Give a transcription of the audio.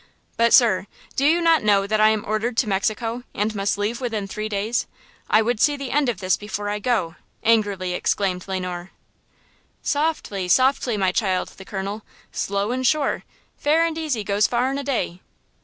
"But, sir, do you not know that I am ordered to Mexico, and must leave within three days? I would see the end of this before I go," angrily exclaimed Le Noir. "Softly, softly, my child the colonel! 'Slow and sure!' 'Fair and easy goes far in a day!'"